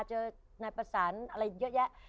เจอนายประสานอะไรเยอะแยะ